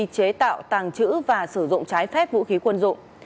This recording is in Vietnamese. chế tạo tàng trữ và sử dụng trái phép vũ khí quân dụng